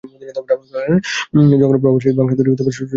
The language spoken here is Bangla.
জং অনুসারে প্রভাবশালী ফাংশন দুটি সহায়ক ফাংশন দ্বারা সমর্থিত।